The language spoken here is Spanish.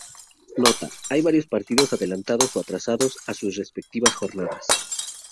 Nota.- Hay varios partidos adelantados o atrasados a sus respectivas jornadas.